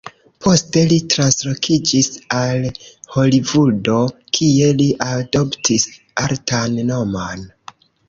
Poste li translokiĝis al Holivudo, kie li adoptis artan nomon.